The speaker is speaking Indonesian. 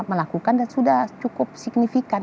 melakukan dan sudah cukup signifikan